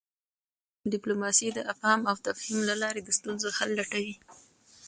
ډیپلوماسي د افهام او تفهیم له لاري د ستونزو حل لټوي.